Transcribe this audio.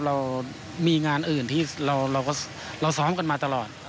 เรามีงานอื่นที่เราซ้อมกันมาตลอด